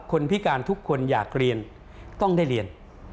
พิการทุกคนอยากเรียนต้องได้เรียน